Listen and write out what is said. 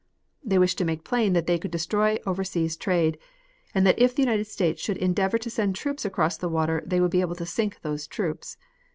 They wished to make plain that they could destroy overseas trade, and that if the United States should endeavor to send troops across the water they would be able to sink those troops.